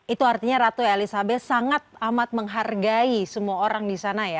itu artinya ratu elizabeth sangat amat menghargai semua orang di sana ya